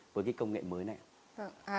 với cái công nghệ mới này ạ